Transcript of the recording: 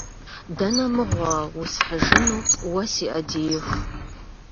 Дэнэ мыгъуэми усхьыжыну, уэ си ӏэдииху?